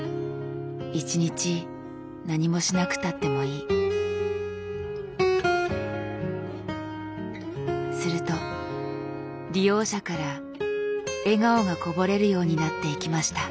「一日何もしなくたってもいい」。すると利用者から笑顔がこぼれるようになっていきました。